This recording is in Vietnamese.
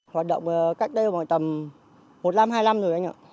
hoạt động cách đây khoảng tầm một năm hai mươi năm rồi anh ạ